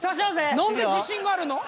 何で自信があるの？